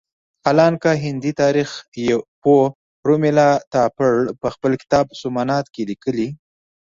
حالانکه هندي تاریخ پوه رومیلا تاپړ په خپل کتاب سومنات کې لیکلي.